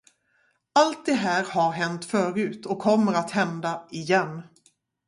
Allt det här har hänt förut och kommer att hända igen.